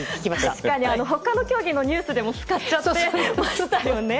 確かに他の競技のニュースでも使っちゃっていましたよね。